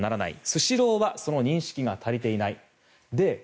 スシローはその認識が足りていない。